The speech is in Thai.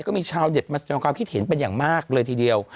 ก็มีชาวเน็ตมาแสดงความคิดเห็นเป็นอย่างมากเลยทีเดียว